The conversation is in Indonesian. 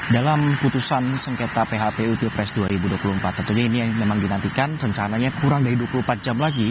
dalam putusan sengketa phpu pilpres dua ribu dua puluh empat tentunya ini memang dinantikan rencananya kurang dari dua puluh empat jam lagi